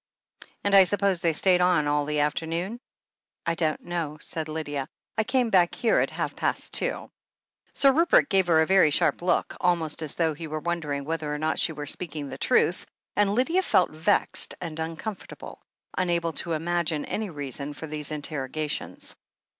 "H'm. And I suppose they stayed on all the after id noonr ?" I don't know," said Lydia. "I came back here at half past two." Sir Rupert gave her a very sharp look, almost as though he were wondering whether or not she was speaking the truth, and Lydia felt vexed and uncom fortable, unable to imagine any reason for these inter rogations.